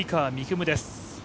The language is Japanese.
夢です。